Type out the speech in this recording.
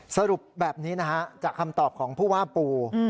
สรุปแบบนี้นะฮะจากคำตอบของผู้ว่าปู